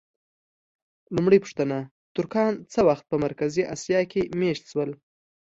لومړۍ پوښتنه: ترکان څه وخت په مرکزي اسیا کې مېشت شول؟